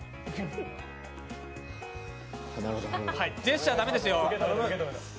ジェスチャー駄目ですよ。